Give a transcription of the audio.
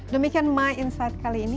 demikian my insight kali ini